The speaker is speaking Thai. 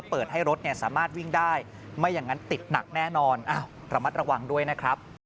ประหว่างด้วยนะครับ